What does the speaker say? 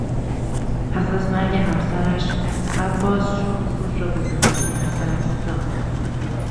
پس از مرگ همسرش، عباس شوق خود را به زندگی از دست داد.